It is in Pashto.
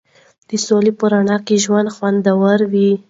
د سولې په رڼا کې ژوند خوندور وي.